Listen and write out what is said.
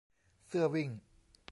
เสื้อวิ่ง